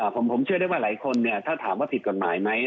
ผมเชื่อได้ว่าหลายคนเนี่ยถ้าถามว่าผิดกฎหมายไหม